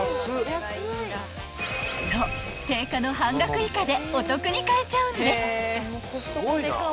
［そう定価の半額以下でお得に買えちゃうんです］